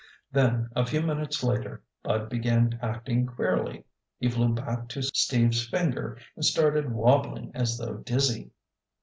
Then a few minutes later, Bud began acting queerly. He flew back to Steve's finger and started wobbling as though dizzy.